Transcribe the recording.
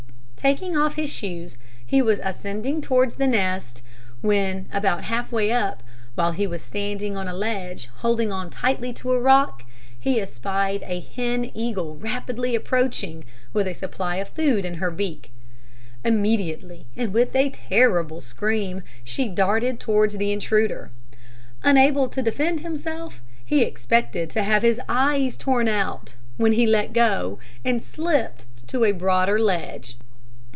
Taking off his shoes, he was ascending towards the nest, when, about halfway up, while he was standing on a ledge, holding on tightly to a rock, he espied a hen eagle rapidly approaching, with a supply of food in her beak. Immediately, and with a terrible scream, she darted towards the intruder. Unable to defend himself, he expected to have his eyes torn out, when he let go, and slipped to a broader ledge.